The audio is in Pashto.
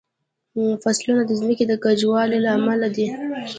فصلونه د ځمکې د کجوالي له امله دي.